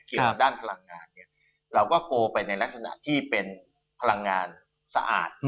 ทางด้านพลังงานเนี่ยเราก็โกลไปในลักษณะที่เป็นพลังงานสะอาด